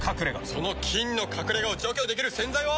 その菌の隠れ家を除去できる洗剤は。